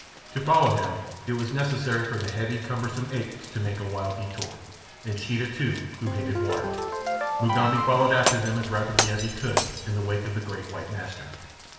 To follow him it was necessary for the heavy, cumbersome apes to make a wide detour, and Sheeta, too, who hated water. Mugambi followed after them as rapidly as he could in the wake of the great white master.